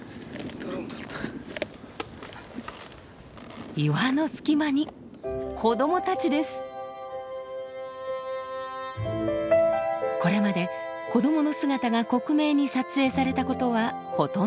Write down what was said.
これまで子どもの姿が克明に撮影されたことはほとんどありません。